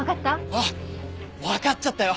あっわかっちゃったよ。